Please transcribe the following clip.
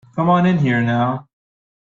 Come on in here now.